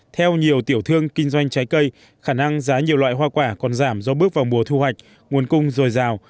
theo nhiều tiểu thương kinh doanh trái cây khả năng giá nhiều loại hoa quả còn giảm do bước vào mùa thu hoạch nguồn cung dồi dào